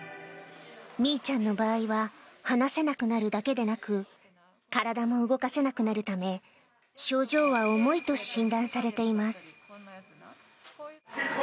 みいちゃんの場合は、話せなくなるだけでなく、体も動かせなくなるため、症状は重いと診断されています。